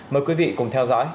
mời quý vị cùng theo dõi